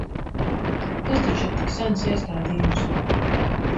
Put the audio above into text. Tas taču ir tik sens iestādījums!